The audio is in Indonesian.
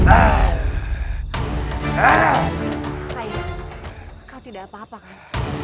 ayo kau tidak apa apa kan